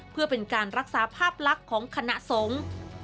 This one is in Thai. เพื่อเป็นการรักษาภาพลักษณ์ของคณะสงฆ์